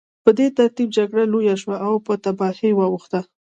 په دې ترتیب جګړه لویه شوه او په تباهۍ واوښته